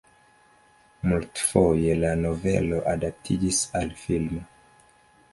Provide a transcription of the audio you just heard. Multfoje la novelo adaptiĝis al filmo.